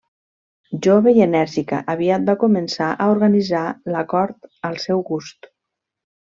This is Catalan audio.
Jove i enèrgica, aviat va començar a organitzar la cort al seu gust.